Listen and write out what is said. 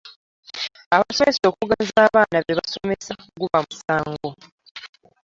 Abasomesa okuganza abaana be basomesa guba musango.